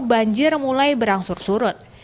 banjir mulai berangsur surut